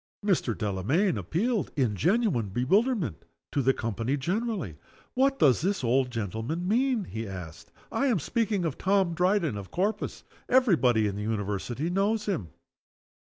Mr. Delamayn appealed, in genuine bewilderment, to the company generally: "What does this old gentleman mean?" he asked. "I am speaking of Tom Dryden, of Corpus. Every body in the University knows _him.